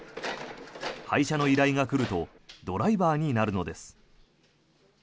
配車の依頼が来るとドライバーになるのです。